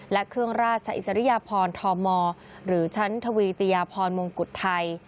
และเครื่องราชอิสริยพรธมหรือชั้นทวีติยาพรมงกุฎไทย